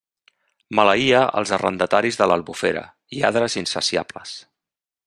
Maleïa els arrendataris de l'Albufera, lladres insaciables.